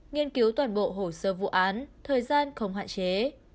nghiên cứu toàn bộ hồ sơ vụ án thời gian không hạn chế